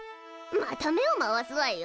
また目を回すわよ。